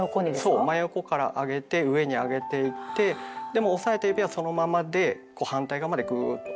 そう真横からあげて上にあげていってでも押さえた指はそのままでこう反対側までグーッと。